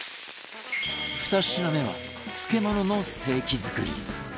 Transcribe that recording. ２品目は漬物のステーキ作り